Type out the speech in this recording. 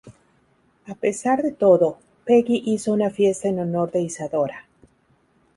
A pesar de todo, Peggy hizo una fiesta en honor de Isadora.